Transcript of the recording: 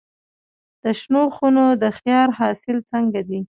د شنو خونو د خیار حاصل څنګه دی؟